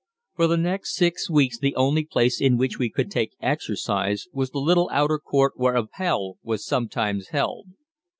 For the next six weeks the only place in which we could take exercise was the little outer court where Appell was sometimes held.